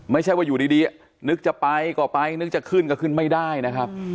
ไม่ใช่ว่าอยู่ดีนึกจะไปก็ไปนึกจะขึ้นก็ขึ้นไม่ได้นะครับ